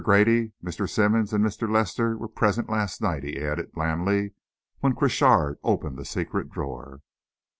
Grady, Mr. Simmonds and Mr. Lester were present, last night," he added blandly, "when Crochard opened the secret drawer."